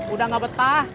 udah gak betah